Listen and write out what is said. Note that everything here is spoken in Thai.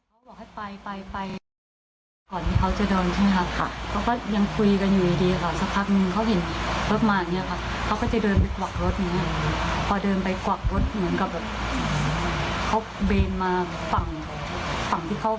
เธอก็ยังคุยกันอยู่ดีซักพักเค้าเห็นไม่เข่าห์บมายังเดินไปกวากรถ